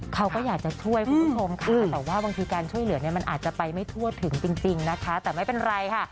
เขาก็อยากจะช่วยคุณผู้ชมค่ะแต่ว่าบางทีการช่วยเหลือเนี่ยมันอาจจะไปไม่ทั่วถึงจริงนะคะแต่ไม่เป็นไรค่ะ